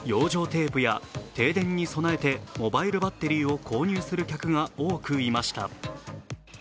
テープや停電に備えてモバイルバッテリーを購入する客が多くいました。